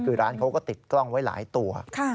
คือร้านเขาก็ติดกล้องไว้หลายตัว